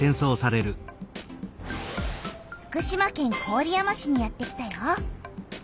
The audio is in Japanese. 福島県郡山市にやってきたよ。